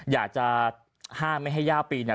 อยากจะห้ามไม่ให้ย่าปีเนี่ย